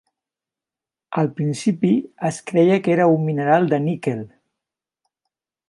Al principi es creia que era un mineral de níquel.